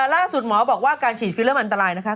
ล่าสุดหมอบอกว่าการฉีดฟิลเลอร์อันตรายนะคะ